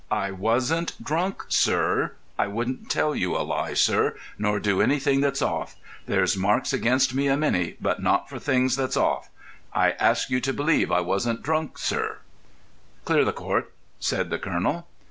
"I wasn't drunk, sir. I wouldn't tell you a lie, sir, nor do nothing that's off—there's marks against me a many, but not for things that's off; I ask you to believe I wasn't drunk, sir——" "Clear the Court," said the colonel.